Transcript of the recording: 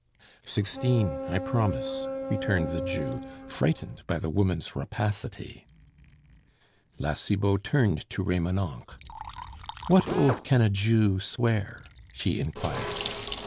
"Sixteen; I promise," returned the Jew, frightened by the woman's rapacity. La Cibot turned to Remonencq. "What oath can a Jew swear?" she inquired.